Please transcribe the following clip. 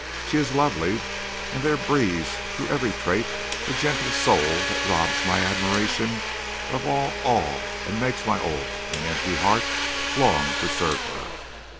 She is lovely, and there breathes through every trait a gentle soul that robs my admiration of all awe and makes my old and empty heart long to serve her.